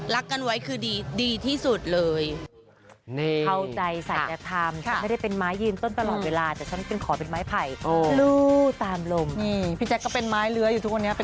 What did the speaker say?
กันไว้คือดีที่สุดเลย